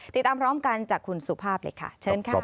ติดตามพร้อมกันจากคุณสุภาพเลยค่ะเชิญค่ะ